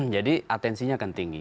jadi atensinya akan tinggi